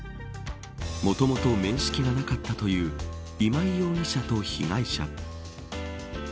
もともと面識がなかったという今井容疑者と被害者。